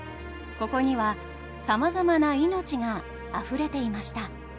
ここにはさまざまな命があふれていました。